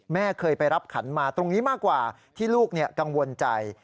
แม่เคยไปรับขันมาตรงนี้มากกว่าที่ลูกกังวลใจ